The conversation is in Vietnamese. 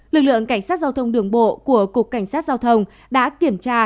lực lượng cảnh sát giao thông đường bộ của cục cảnh sát giao thông đã kiểm tra